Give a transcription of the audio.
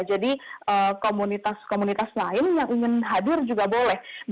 jadi komunitas komunitas lain yang ingin hadir juga boleh